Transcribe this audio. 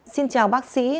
xin chào bác sĩ